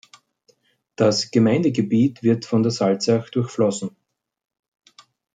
Das Gemeindegebiet wird von der Salzach durchflossen.